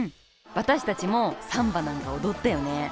私たちもサンバなんか踊ったよね。